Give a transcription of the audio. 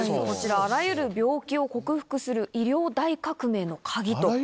こちら、あらゆる病気を克服する、医療大革命の鍵と。